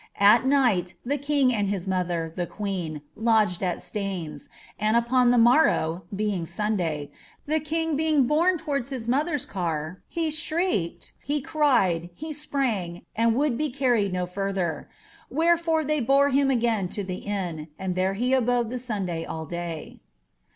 At night, the king ind his mother, the queen, lodged at Stnities, sjiil upon the morrow, bein| Sunday, the king being borne towards bis mother's car, he skreelinl, ht tried, lie epnirig, and itouM be earritHl no furllier ; wherrfore they but him again to the ion, and there h« af)ode the Suriilay all day."